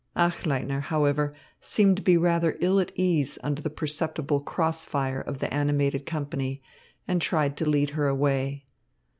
Achleitner, however, seemed to be rather ill at ease under the perceptible cross fire of the animated company, and tried to lead her away.